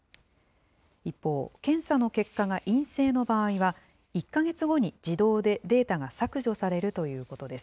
一方、検査の結果が陰性の場合は、１か月後に自動でデータが削除されるということです。